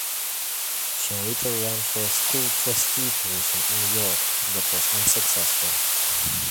She later ran for a school trustee position in York, but was unsuccessful.